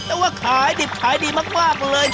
แต่ว่าขายดิบหายดีมากเลยทีเดียวเจียว